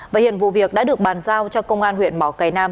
và hiện vụ việc đã được bàn giao cho công an huyện mỏ cầy nam